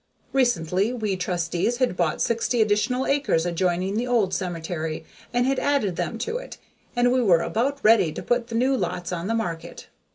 Recently we trustees had bought sixty additional acres adjoining the old cemetery and had added them to it, and we were about ready to put the new lots on the market.